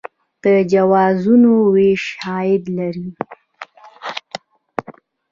د جوازونو ویش عاید لري